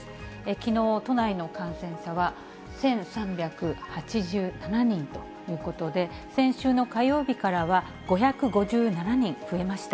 きのう、都内の感染者は１３８７人ということで、先週の火曜日からは５５７人増えました。